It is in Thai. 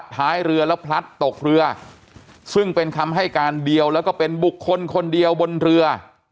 ท้ายเรือแล้วพลัดตกเรือซึ่งเป็นคำให้การเดียวแล้วก็เป็นบุคคลคนเดียวบนเรือ